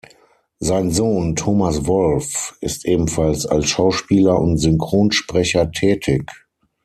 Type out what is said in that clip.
Sein Sohn Thomas Wolff ist ebenfalls als Schauspieler und Synchronsprecher tätig.